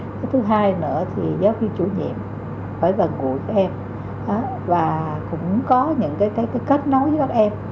cái thứ hai nữa thì giáo viên chủ nhiệm phải là cụ các em và cũng có những cái kết nối với các em